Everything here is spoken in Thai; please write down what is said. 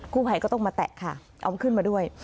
ผู้ภัยก็ต้องมาแตะค่ะเอาขึ้นมาด้วย